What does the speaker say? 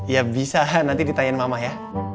ya bisa nanti ditanyain mama ya